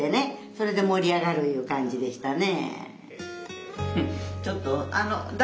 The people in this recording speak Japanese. それで盛り上がるいう感じでしたね。